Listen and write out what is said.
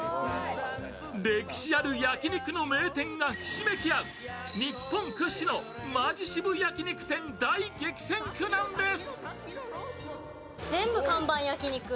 歴史ある焼肉の名店がひしめきあう日本屈指のマヂ渋焼肉店の大激戦区なんです。